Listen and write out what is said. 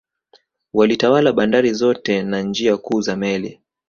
Walitawala bandari zote na njia kuu za meli